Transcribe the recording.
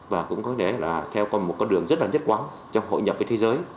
và cũng có thể là theo một con đường rất là nhất quán trong hội nhập với thế giới